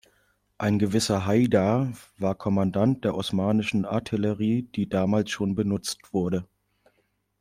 Ein gewisser Haidar war Kommandant der osmanischen Artillerie, die damals schon benutzt wurde.